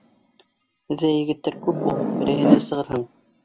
Беҙҙә егеттәр күп ул. Берәйһенә сығырһың.